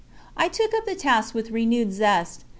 I took up the task with renewed zest.